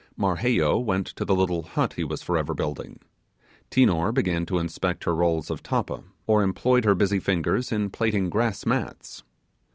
Marheyo went to the little hut he was forever building. Tinor began to inspect her rolls of tappa, or employed her busy fingers in plaiting grass mats.